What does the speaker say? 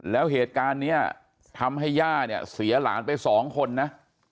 แล้วเหตุการณ์นี้ทำให้ย่าเนี่ยเสียหลานไปสองคนนะ